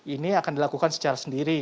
ini akan dilakukan secara sendiri